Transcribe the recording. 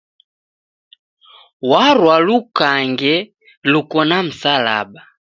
Warwa lukange luko na msalaba